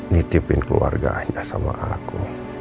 nitipin keluarganya sama aku